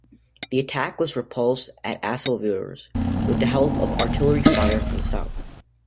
The attack was repulsed at Assevillers, with the help of artillery-fire from the south.